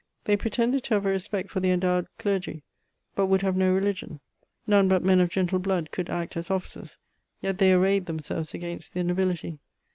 They pretended to have a respect for the fendowed clergy, but would have no religion : none^but men of gentle blood could act as officers, yet they arrayed themselves against the nobility.